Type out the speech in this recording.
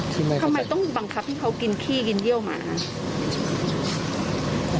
ทำไมต้องบังคับให้เขากินขี้กินเยี่ยวหมา